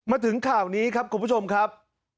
มาถึงข่าวนี้ครับคุณผู้ชมครับ